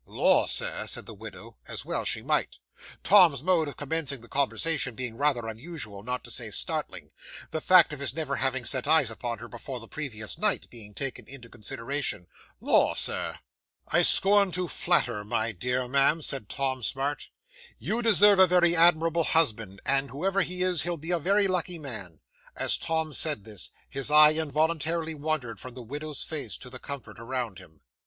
'"Lor, Sir!" said the widow as well she might; Tom's mode of commencing the conversation being rather unusual, not to say startling; the fact of his never having set eyes upon her before the previous night being taken into consideration. "Lor, Sir!" '"I scorn to flatter, my dear ma'am," said Tom Smart. "You deserve a very admirable husband, and whoever he is, he'll be a very lucky man." As Tom said this, his eye involuntarily wandered from the widow's face to the comfort around him.